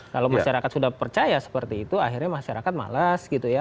kalau masyarakat sudah percaya seperti itu akhirnya masyarakat malas gitu ya